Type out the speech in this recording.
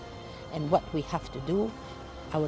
dan apa yang harus kita lakukan